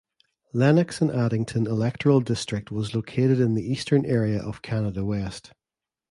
Lennox and Addington electoral district was located in the eastern area of Canada West.